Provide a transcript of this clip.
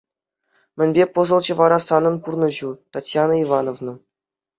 Мӗнпе пӑсӑлчӗ вара санӑн пурнӑҫу, Татьяна Ивановна?